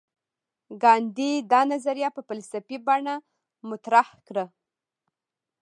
ګاندي دا نظریه په فلسفي بڼه مطرح کړه.